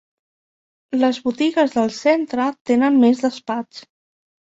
Les botigues del centre tenen més despatx.